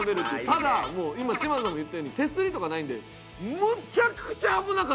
ただ今嶋佐も言ったように手すりとかないのでむちゃくちゃ危なかったです